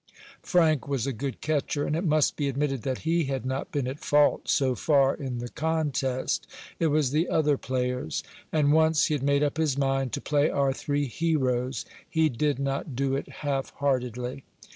Frank was a good catcher, and it must be admitted that he had not been at fault so far in the contest. It was the other players. And once he had made up his mind to play our three heroes, he did not do it half heartedly.